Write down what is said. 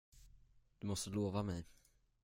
Du måste lova mig!